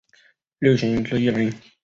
六星之一人。